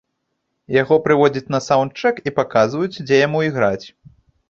Яго прыводзяць на саўндчэк і паказваюць, дзе яму іграць.